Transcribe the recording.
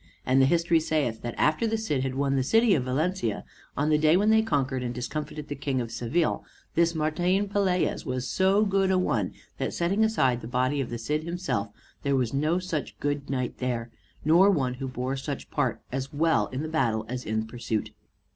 And the history saith, that after the Cid had won the city of Valencia, on the day when they conquered and discomfited the King of Seville, this Martin Pelaez was so good a one, that setting aside the body of the Cid himself, there was no such good knight there, nor one who bore such part, as well in the battle as in the pursuit.